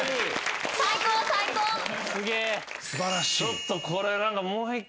ちょっとこれ何か。